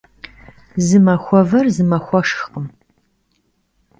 Zı maxuaver zı maxueşşxkhım.